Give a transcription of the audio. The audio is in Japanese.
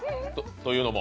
というのも？